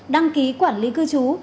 đăng ký quản lý cư trú